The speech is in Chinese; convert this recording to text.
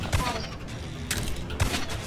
祝福大家都满载而归